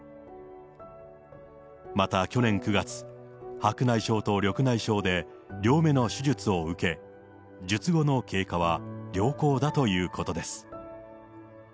また去年９月、白内障と緑内障で、両目の手術を受け、術後の経過は良好だということです。